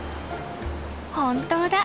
本当だ。